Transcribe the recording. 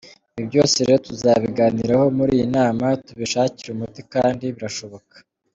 Ibi byose rero tuzabiganiraho muri iyi nama tubishakire umuti kandi birashoboka.